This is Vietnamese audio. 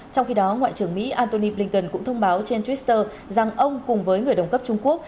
trong khi đó ngoại trưởng mỹ antony blinken cũng thông báo trên twitter rằng ông cùng với người đồng cấp trung quốc